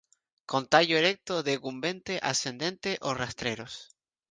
Con tallo erecto, decumbente, ascendente o rastreros.